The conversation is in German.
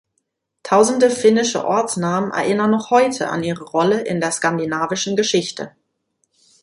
Tausende finnische Ortsnamen erinnern noch heute an ihre Rolle in der skandinavischen Geschichte.